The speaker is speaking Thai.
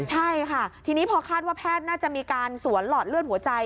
ใช่ค่ะทีนี้พอคาดว่าแพทย์น่าจะมีการสวนหลอดเลือดหัวใจ